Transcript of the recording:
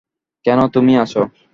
কেন, তুমি আছ।